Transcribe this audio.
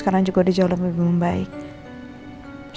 karena aku bala makin ganti